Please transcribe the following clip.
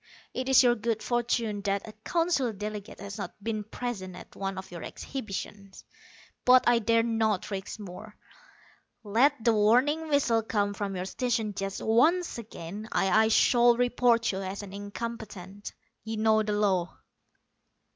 It is your good fortune that a Council delegate has not been present at one of your exhibitions. But I dare not risk more. Let the warning whistle come from your station just once again and I shall report you as an incompetent. You know the law."